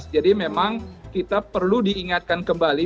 jadi memang kita perlu diingatkan kembali